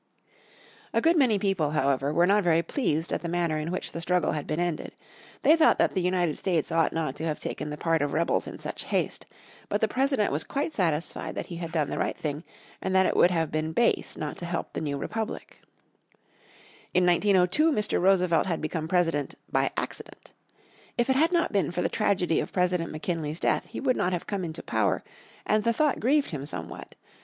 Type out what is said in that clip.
A good many people, however, were not very pleased at the manner in which the struggle had been ended. They thought that the United States ought not to have taken the part of rebels in such haste. But the President was quite satisfied that he had done the right thing, and that it would have been base not to help the new republic. In 1902 Mr. Roosevelt had become president "by accident." If it had not been for the tragedy of President McKinley's death he would not have come into power, and the thought grieved him somewhat.